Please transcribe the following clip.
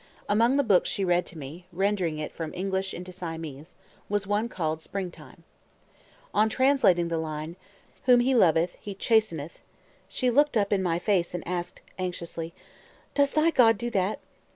Among the books she read to me, rendering it from English into Siamese, was one called "Spring time." On translating the line, "Whom He loveth he chasteneth," she looked up in my face, and asked anxiously: "Does thy God do that?